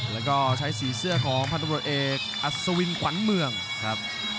แล้วก็ใช้สีเสื้อของพันธบรวจเอกอัศวินขวัญเมืองครับ